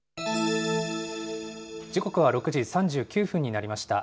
時刻は６時３９分になりました。